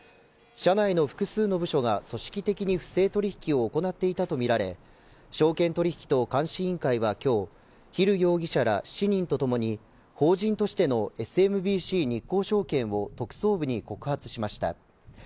社内の複数の部署が組織的に不正取引を行っていたとみられ証券取引等監視委員会は今日ヒル容疑者ら７人とともに法人としてのＳＭＢＣ日興証券を特捜部に告発しました。